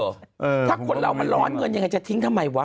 ถ้าคนเรามันร้อนเงินยังไงจะทิ้งทำไมวะ